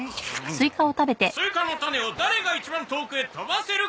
スイカの種を誰が一番遠くへ飛ばせるか？